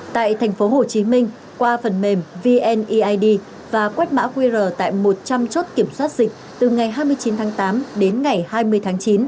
tại thành phố hồ chí minh qua phần mềm vneid và quét mã qr tại một trăm linh chốt kiểm soát dịch từ ngày hai mươi chín tháng tám đến ngày hai mươi tháng chín